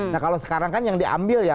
nah kalau sekarang kan yang diambil ya